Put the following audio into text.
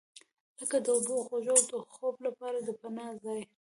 لکه د اوبو، خوړو او خوب لپاره د پناه ځای.